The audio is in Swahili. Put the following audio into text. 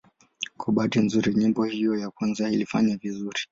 Kwa bahati nzuri nyimbo hiyo ya kwanza ilifanya vizuri.